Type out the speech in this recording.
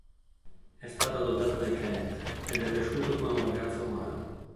È stato adottato dai Kent ed è cresciuto come un ragazzo umano.